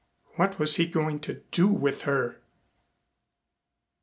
What was he going to do with her?